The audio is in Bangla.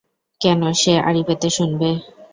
কেন সে আঁড়ি পেতে শুনবে?